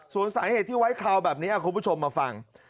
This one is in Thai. ส่วนสาเหตุที่ไว้คราวแบบนี้เอาคุณผู้ชมมาฟัง